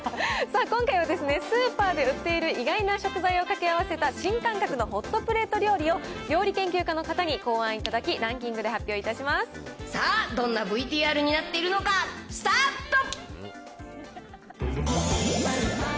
さあ、今回はスーパーで売っている意外な食材を掛け合わせた新感覚のホットプレート料理を、料理研究家の方に考案いただき、ランキングさあ、どんなＶＴＲになっているのか、スタート。